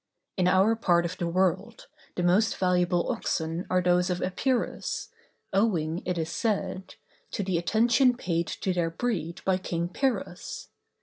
In our part of the world the most valuable oxen are those of Epirus, owing, it is said, to the attention paid to their breed by King Pyrrhus.